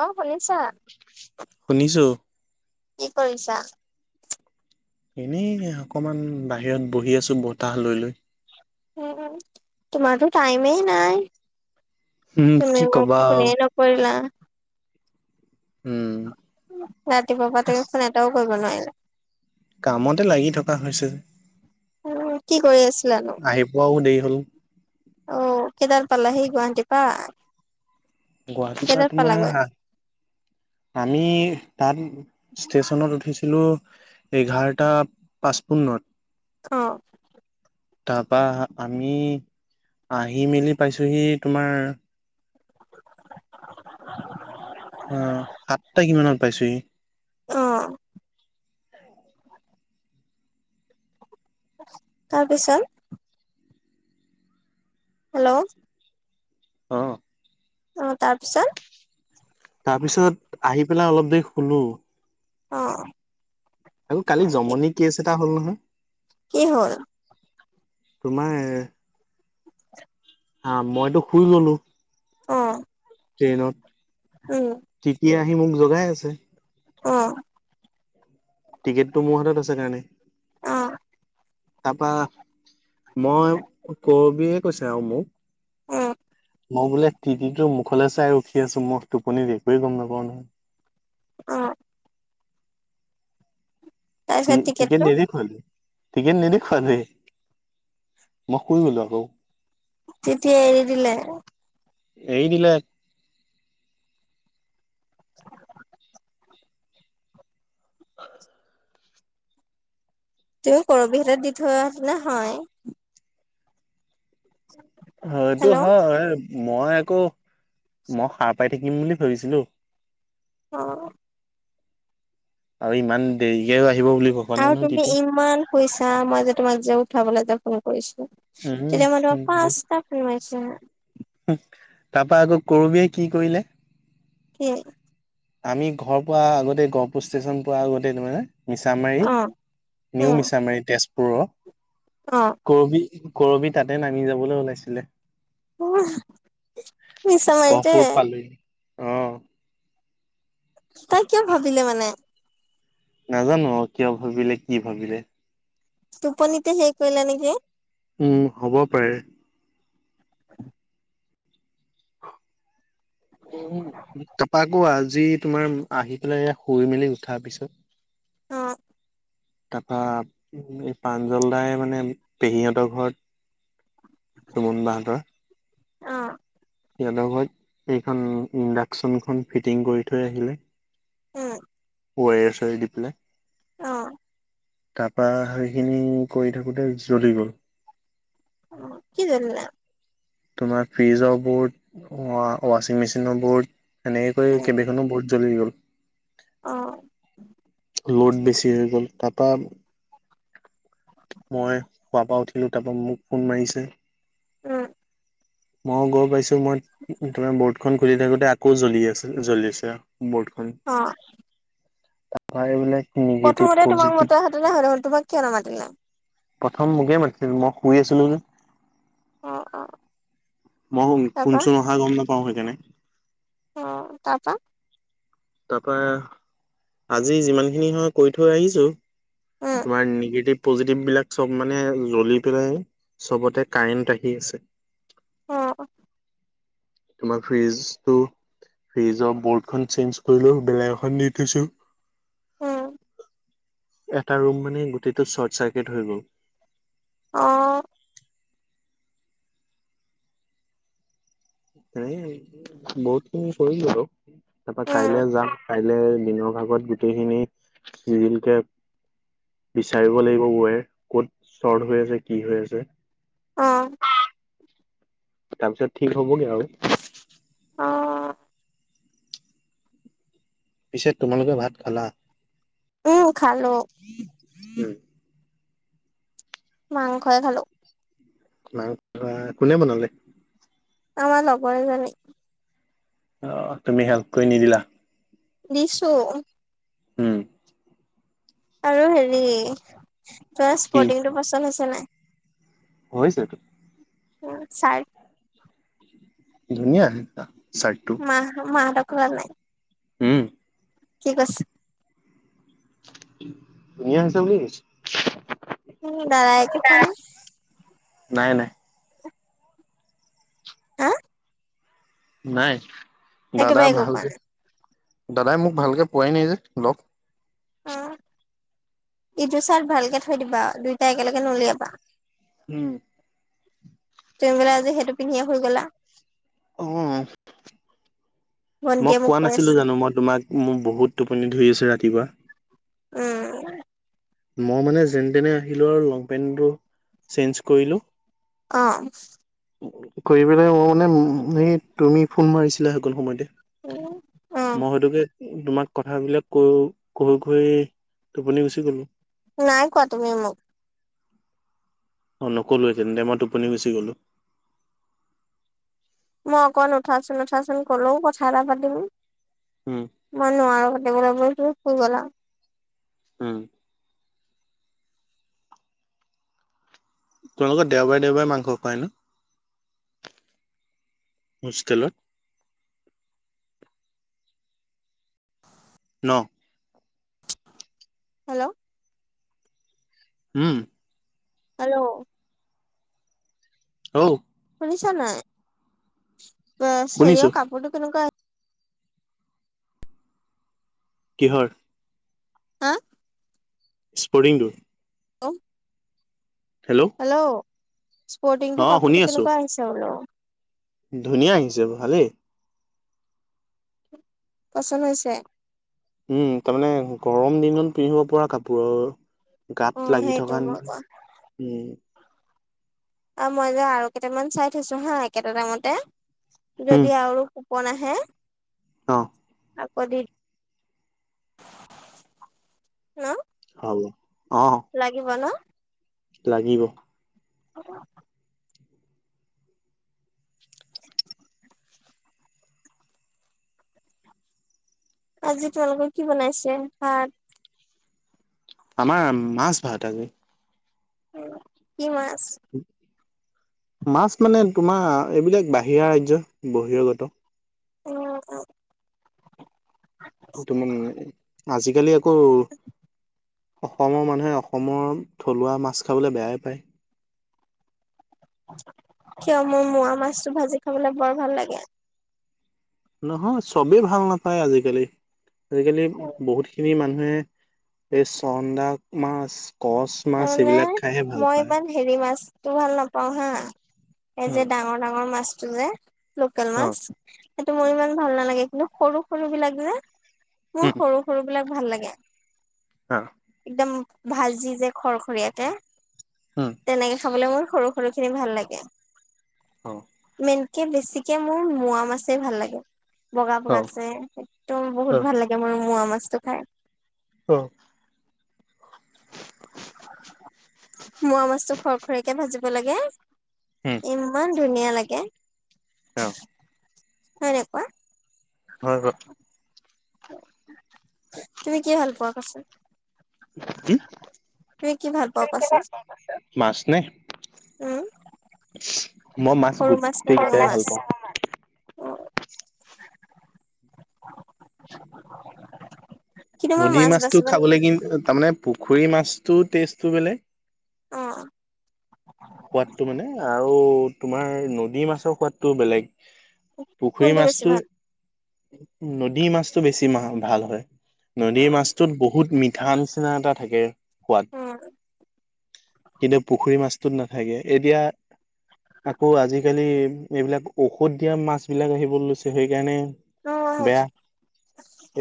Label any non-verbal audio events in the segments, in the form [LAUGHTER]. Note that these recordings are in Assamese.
অ', শুনিছা শুনিছো কি কৰিছা? এনেই অকমান বাহিৰত বহি আছো, বতাহ লৈ লৈ। হম, হম, তোমাৰতো টাইমে নাই। উম কি তুমি মোক কবা আও ফোনে নকৰিলা। উম। ৰাতিপুৱা পা এ তুমি ফোন এটাও কৰিব নোৱাৰিলা। কামতে লাগি থকা হৈছে। উম কি কৰি আছিলানো আহি পোৱাও দেৰি [UNINTELLIGIBLE] অ', কেটাত পালাহি গুৱাহাটী পা? গুৱাহাটীৰ পা তোমাৰ আঠ আমি তাত ষ্টেশচনত উঠিছিলো এঘাৰটা পচপোন্নত। অ'। তাৰপা আমি আহি মেলি পাইছোহি তোমাৰ [INAUDIBLE] অ'। সাতটা কিমানত পাইছোহি। অ তাৰপিছত হেল্ল'। অ'। অ, তাৰপিছত। তাৰপিছত আহি পেলাই অলপ দেৰি শলো। অ', হ কালি কি জমনি কেচ এটা হ'ল নহয়। কি হল। তোমাৰ হা মইতো শুই গলো। অ', ট্ৰেইনত উম, সি মোক জগাই আছে। অ', টিকেটটো মোৰ হাতত আছে কাৰণে। অ তাৰপা মই কৰবিয়ে কৈছে আৰু মোক। উম মই বোলে তিতিটোৰ মুখলৈ চাই উঠি আছো মই টোপনিত একোৱেই গম নাপাও নহয়। অ', তাৰপিছত টিকেট টিকেটটো নেদি খ টিকেট নদেখুৱ দেই মই শুই গলো আকৌ। তেতিয়াই এৰি দি। এইবিলাক ত কৰবিহত দি থোৱা ন হয় হয়টো হেল্ল' অ হয়। মই আকৌ মই সাৰ পাই থাকিম বুলি ভাবিছিলো। অ', আৰু ইমান দেৰিকে। আহিব বুলি ভ বা নাই আৰু নহয় তুমি টিটি ইমান পইছা মই যে তোমাক যে উঠাবলৈ যে ফোন কৰিছো। উম তেতিয়া মোৰ পাপ্পা উম আটা ফোন মইতি তাৰপা আকৌ কৰবে কি কৰিলে? কি। আমি ঘৰ পোৱা আগতে গহপুৰ ষ্টেচন প আগতে তাৰে মিছামাৰী অ নিউ উম মিছামাৰী তেজপুৰৰ অ কবি কৰবি তাতে নামি যাবলৈ ওলাইছিলে। অহ, মিছামাৰীতে। উম, তাই কিয় ভাবিলে মানে। নাজানো কিয় ভাবিলে কি ভাবিলে। তুপ নতিয়া সেই কলা নেকি। উম, হ'ব পাৰে। উম, কপাকো আজ যি তোমাৰ আহি পেলাই শুই মেলি উঠাৰ পিছত। অ', তাৰপৰা এই পাঞ্জলদাই মানে পেহীহতৰ ঘৰত চুমন বাহ হতৰ অ', সিহতৰ ঘৰত এইখন ইণ্ডাকচনখন ফিটিং কৰি থৈ আহিলে। উম, ছ দিপেল অ', তাৰপা সেইখিনি কৰি থাকোতে জ্বলি গল। কি জলিলে। তোমাৰ ফ্ৰিজৰ বৰ্ড ৱা্বিং মেচিনৰ বোৰ্ড সেনেকৈ কৰিৈ উম কেব এখনো বহুত জ্বলি গ'ল অ লোড বেছি হৈ গ'ল তাৰাপা মই খোৱাৰ পৰা উঠিলো তাৰ পৰাা মোক ফোন মাৰিছে উম ময়ও গম পাইছো মই তমাৰ বৰ্ডখন খুলি থাকোতে আকৌ জ্বলি আছে জ্বলি আছে বৰ্টখন অ তাৰপ বোলে প্ৰথমতে তোমাক মতে হাতেলে হয়লে তোমাক কিয় নামাতিলে প্ৰথম মোকে মাতিছিল মই শুই আছো নো যে অঁ অঁ মই শুনচোন অহা গম নাপাও সেইকাৰণে অ তাৰপা তাৰাপা আজি যিমান খিনি হয় কৈ থৈ আহিছো উম তোমাৰ নিগেটিভ পজিটিভ বিলাক চব মানে জ্বলি পেলাই চবতে কাৰেণ্ট আহি আছে আহ তোমাৰ ফ্ৰিজটো ফ্ৰিজৰ বৰ্ডখন চেঞজ কৰিলো বেলেগ এখন দি থৈছো উম এটা ৰুম মানে গুটিটো চ্বৰ্ট চাৰ্কিট হৈ গ'ল আহ এ বহুত খিনি কৰিলো আৰু তাৰাপা উম কাইলে যাম কাইলে দিনৰ ভাগত গোটেইখিনি জিলকে বিচাৰিব লাগিব ৱেৰ ক'ত শৰ্ট হৈ আছে কি হৈ আছে অ তাৰপিছত ঠিক হ'বগে আৰু অ পিছে তোমালোকে ভাত খালা উম খালো উম মাংসই খালোঁ মাং কোনে বনালে আমাৰ লগৰে য নে অ তুমি হেল্প কৰি নিদিলা দিছু হম আৰু হেৰি তাৰ স্পৰ্টিংটো পচন্দ হৈছে নাই হৈছেতটো উ চাই ধুনীয়া সে ম ম লক গাল নাই [UNINTELLIGIBLE] হম কি কৈছে ই হিচ লৈছে [UNINTELLIGIBLE] স লৰাাইটোো কনে [UNINTELLIGIBLE] নাই নাই হা নাই দাদা একেবাৰে একো কোৱা ভালকে নাই দাদাই মোক ভালকে পোৱাই নাই যে লগ অ এইটো চাৰ্ট ভালকে থৈ দিবা দুইটা একেলগে নলিয়াবা হম তুমি বোলে আজি সেইটো পিন্ধিয়ে শুই গলা উম মই ভন্টিয়ে মোক কোৱা কৈ নাছিলো আছে জানো মই তোমাক মোৰ বহুত টোপনি ধৰি আছো ৰাতিপুৱা উম মই মানে যেনে তেনে আহিলো আৰু লং পেন্ট চেঞ্জ কৰিলো অ কৰিব পেলাই তুমি মানে এই তুমি ফোন মাৰিছিলা সকল সময়তে উম উম, মই হয়তোকে তোমাক কথা বিলাক কৈ কৈ ঘৈ টোপনি গুচি গলো নাই কোৱা তুমি মোক অ নকলো সতেন দে মই টোপনি গুচি গলো মই অকন উঠাচোন উঠাচোন কলেও কথা এটা পাতিম উম মই নোৱাৰো কথা সেই বুলি কৈ তুমি গলা [UNINTELLIGIBLE] হম তোমালোকৰ দেওবাৰে দেওবাৰে মাংস পায় ন মুসকেলত ন হেল্ল' হম হেল্ল' অ শুনিছা নাই শুনিছো হেৰিয়ৰ কাপোৰতো কেনেকুৱা কিহৰ হা স্পৰ্টিং টো অেল [UNINTELLIGIBLE] হেল্ল' স্পৰ্টিং অ টো শুনি কাপোৰটো আছো কেনেকুৱা আহিছে বোলো ধুনীয়া আহিছে ভালেই পচল হৈছে উম তাৰমানে গৰম দিনত পিন্ধিব পৰা কাপোৰ আৰু অ গাত লাগি সেইটো থকা মই কোৱা উম অ মই যে আৰু কেইটামান চাই থৈছো হা একেটা দামতে উম যদি আৰু কোন আহে অ আ [UNINTELLIGIBLE] ক দি ন হ লাগিব ন লাগিব অ [UNINTELLIGIBLE] [INAUDIBLE] আজি তোমালোকৰ কি বনাইছে? ভাত আমাৰ মাছ-ভাত আজি। কি মাছ? মাছ মানে তোমাৰ এইবিলাক বাহিৰা ৰাজ্য বহিৰাগত। উম উম। [INAUDIBLE] আজিকালি আকৌ অসমৰ মানুহে অসমৰ থলুৱা মাছ খাবলৈ বেয়াই পায়। কিয়, মোৰ মোৱা মাছটো ভাজি খাবলৈ বৰ ভাল লাগে। নহয় চবেই ভাল নাপায় আজিকালি। আজিকালি বহুত খিনি মানুহ এই চন্দা মাছ কচ মাছ তাৰমানে এইবিলাক খাইহে ভাল পায়। ইমান হেৰি মাছটো মই ভাল নাপাও হা। এই যে উম ডাঙৰ ডাঙৰ মাছটো যে লোকেল মাছ। সেইটো মোৰ ইমান ভাল নালাগে, কিন্তু সৰু সৰুবিলাক যে মোৰ সৰু সৰুবিলাক ভাল লাগে। একদম ভাজি যে খৰখৰিয়াকে। তেনেকে খাবলৈ মোৰ সৰু সৰুখিনি ভাল লাগে। অ'। তেনেকে বেছিকে মোৰ মোৱা মাছে ভাল লাগে। বগা- বগা যে একদম বহুত ভাল লাগে মোৰ মোৱা মাছটো খাই। অ'। মোৱা মাছটো খৰখৰিয়াকৈ ভাজিব লাগে, ইমান ধুনীয়া লাগে। অ'। হয় নে কোৱা। হয়- হয়। তুমি কি ভাল পোৱা কোৱাচোন। কি? তুমি কি ভাল পোৱা কোৱাচোন, মাছ নে উম। মই সৰু মাছ গোটেই নে ডাঙৰ কেইটাই ভাল মাছ, পাওঁ। অ'। [INAUDIBLE] [INAUDIBLE] কিন্তু মই নদীৰ মাছ মাছটো বাচিব খাবলৈ কিন্তু তাৰমানে পুখুৰীৰ মাছটো টেষ্টটো বেলেগ অ'। সোৱাদটো মানে আৰু তোমাৰ নদীৰ মাছৰ সোৱাদটোও বেলেগ। পুখুৰী কোনটো বেছি মাছটো ভাল। নদীৰ মাছটো বেছি ভাল হয়, অ নদীৰ মাছটোত বহুত মি ঠা নিচিনা এটা থাকে সোৱাদ, অ কিন্তু পুখুৰীৰ মাছ নাথাকে এতিয়া আকৌ আজিকালি এইবিলাক ঔষধ দিয়া মাছবিলাক আহিব লৈছে সেইকাৰণে অ বেয়া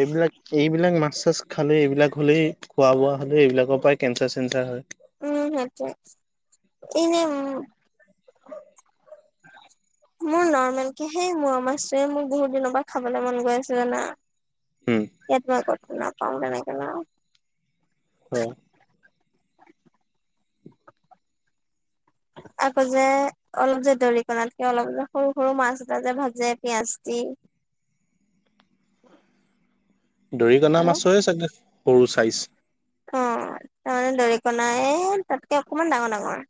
এইবিলাক-এইবিলাক মাছ খালে এইবিলাক হ'লেই খোৱা বোৱা হ'লে, এই এইবিলাকৰ পৰাই কেঞ্চাৰ চেঞ্চাৰ হয়। উম, সেইটোৱে, এই যে [INAUDIBLE] মোৰ নৰ্মেলকৈ সেই মোৱা মাছটোৱে মোক বহুত দিনৰ পৰা খাবলৈ মন গৈ আছে, জানা। উম এইটো আকৌ নাপাও তেনেকে ন। অ'। [INAUDIBLE] আকৌ যে অলপ যে দৰিকণাতকে অলপ যে সৰু- সৰু মাছ এটা যে ভাজে পিয়াজ দি [INAUDIBLE] দৰিকনা হেল্ল' মাছৰে চাগে সৰু চাইজ। অ' তাৰমানে দৰিকণাই তাতকে অকমান ডাঙৰ- ডাঙৰ।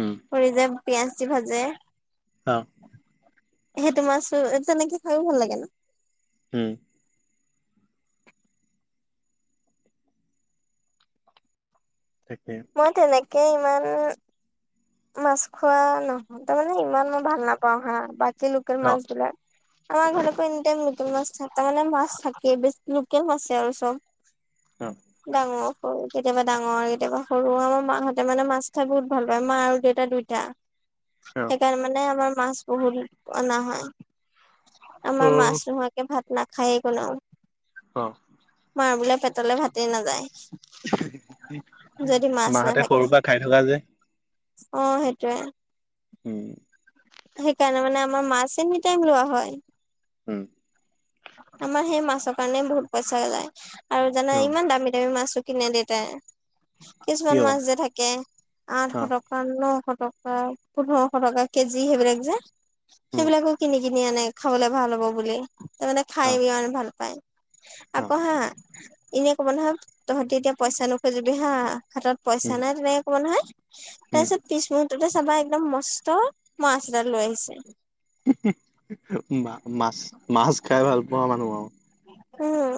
উম কৰি যে পিয়াজ দি ভাজে। অ সেইটো মাছো তেনেকে খাইও ভাল লাগে ন। উম্। তাকে মই তেনেকে ইমান মাছ খোৱা নহওঁ তাৰ মানে ইমান মই ভাল নাপাও হা বাত লোকেল অ মাছ বিলাক আমাৰ ঘৰলেকো এনিতাইম লোকেল মাছ থাকে মানে মাছ ছ থাকে বেছ লোকেল মাছে আৰু চব অ ডাঙৰ। কেতিয়াবা ডাঙৰ কেতিয়াবা সৰু আমাৰ মাহঁতে মানে মাছ খাই বহুত ভাল পায়, মাৰ দেউতা দুইটা অ সেইকাৰণে মানে আমাৰ মাছ বহুত অনা হয়। অ আমাৰ মাছ নোহোৱাকে ভাত নাখায়ে কোনেও। অ'। মাৰ বোলে পেটলে ভাতেই নাযায়। যদি মাছ মাহঁতে নাথাকে সৰু পৰা ঠাই থকা যে। অ, সেইটোৱে। [UNINTELLIGIBLE] সেইকাৰণে মানে আমাৰ মাছ এনি টাইম লোৱা হয়। উম। আমাৰ সেই মাছৰ কাৰণে বহুত পইচা যায় আৰু জানা অ ইমান দামী দামী মাছ কিনে দেতাই কিছুমান কিয় অ মাছ যে থাকে আঠশ টকা নশ টকা পোন্ধৰশ টকা কেজি সেইবিলাক যে উম সেইবিলাকো কিনি কিনি আনে খাবলে ভাল হ'ব বুলি তাৰমানে খাই অ ইমান ভাল পায় অ আকৌ হা এনেই কব নহয় তহঁতি এতিয়া পইচা নোখোজিবি হা হাতত পইচা উম নাই তেনেকে কব নহয় তাৰ উম পিছত পিছ মৰটোতে চাবা একদম মস্ত মাছ এডাল লৈ আহিছে। মাছ মাছ খাই ভাল পোৱা মানুহ আৰু। উম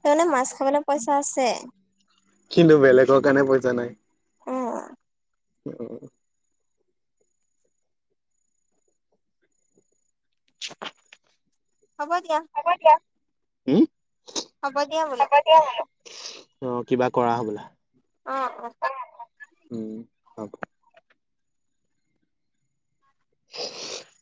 তমানে মাছ খাবলৈ পইচা আছে। কিন্তু বেলেগৰ কাৰণে পইচা নাই। অ। অ, অ, অ [UNINTELLIGIBLE] হ'ব দিয়া। হম। হ'ব দিয়া বলো। অ কিবা কৰা হবলা। অ, [UNINTELLIGIBLE] উম অ [UNINTELLIGIBLE] [UNINTELLIGIBLE]